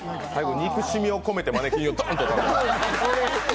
憎しみを込めてマネキンをドンと。